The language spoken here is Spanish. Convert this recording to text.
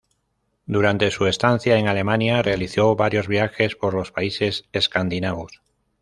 Durante su estancia en Alemania realizó varios viajes por los países escandinavos.